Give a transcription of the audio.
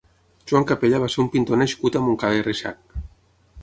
Joan Capella va ser un pintor nascut a Montcada i Reixac.